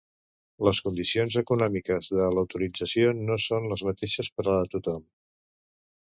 Les condicions econòmiques de l'autorització no són les mateixes per a tothom.